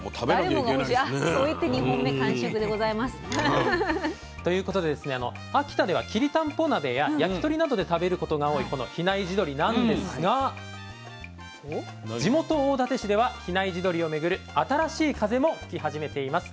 そう言って２本目完食でございます。ということで秋田ではきりたんぽ鍋や焼き鳥などで食べることが多いこの比内地鶏なんですが地元大館市では比内地鶏をめぐる新しい風も吹き始めています。